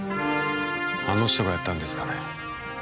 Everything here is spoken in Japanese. あの人がやったんですかね？